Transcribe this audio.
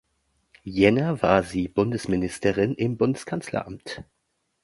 Jänner war sie Bundesministerin im Bundeskanzleramt.